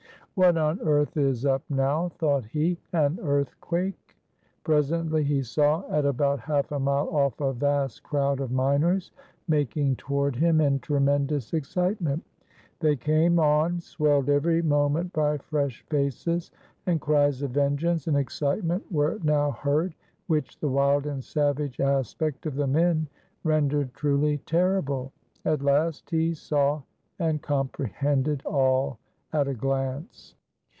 "What on earth is up now?" thought he "an earthquake?" Presently he saw at about half a mile off a vast crowd of miners making toward him in tremendous excitement. They came on, swelled every moment by fresh faces, and cries of vengeance and excitement were now heard, which the wild and savage aspect of the men rendered truly terrible. At last he saw and comprehended all at a glance.